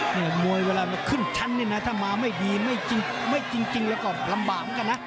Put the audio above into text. มวยเวลามันขึ้นชั้นเนี่ยนะถ้ามาไม่ดีไม่จริงไม่จริงแล้วก็ลำบากเหมือนกันนะ